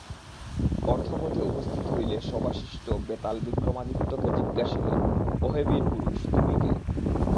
অর্ধপথে উপস্থিত হইলে শবাবিষ্ট বেতাল বিক্রমাদিত্যকে জিজ্ঞাসিল, ওহে বীরপুরুষ, তুমি কে?